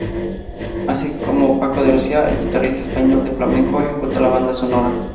Así como Paco de Lucía, el guitarrista español de flamenco, ejecuta la banda sonora.